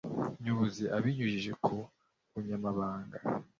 nyobozi abinyujije ku bunyamabanga